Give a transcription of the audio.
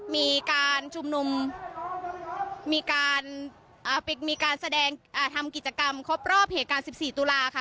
มีการชุมนุมมีการแสดงทำกิจกรรมครบรอบเหตุการณ์๑๔ตุลาค่ะ